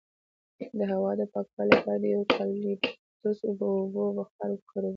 د هوا د پاکوالي لپاره د یوکالیپټوس او اوبو بخار وکاروئ